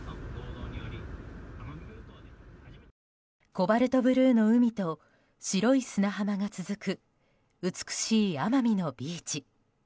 コバルトブルーの海と白い砂浜が続く美しい奄美のビーチ。